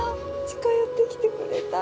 近寄ってきてくれた。